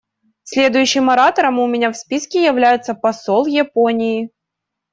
Следующим оратором у меня в списке является посол Японии.